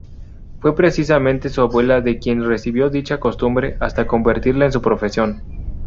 Fue precisamente su abuela de quien recibió dicha costumbre hasta convertirla en su profesión.